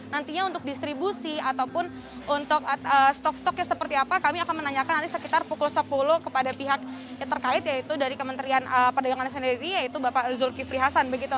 nantinya untuk distribusi ataupun untuk stok stoknya seperti apa kami akan menanyakan nanti sekitar pukul sepuluh kepada pihak yang terkait yaitu dari kementerian perdagangan sendiri yaitu bapak zulkifli hasan